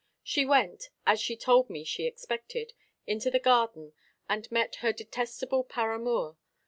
She went, as she told me she expected, into the garden, and met her detestable paramour.